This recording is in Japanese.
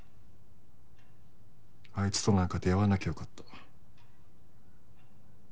あいつとなんか出会わなきゃよかった。